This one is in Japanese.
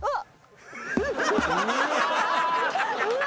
うわ。